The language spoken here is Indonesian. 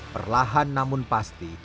perlahan namun pasti